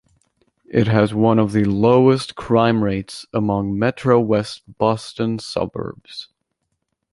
It has one of the lowest crime rates among Metro-west Boston suburbs.